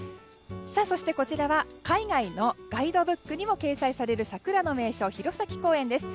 そして、こちらは海外のガイドブックにも掲載される桜の名所弘前公園です。